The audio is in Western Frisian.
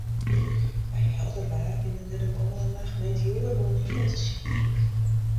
By helder waar binne der de kommende nacht meteoaren oan 'e himel te sjen.